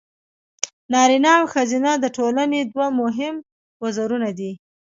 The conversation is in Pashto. نارینه او ښځینه د ټولنې دوه مهم وزرونه دي.